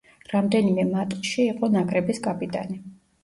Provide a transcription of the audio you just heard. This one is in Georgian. რამდენიმე მატჩში იყო ნაკრების კაპიტანი.